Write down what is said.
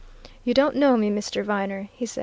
"You don't know me, Mr. Viner," he said.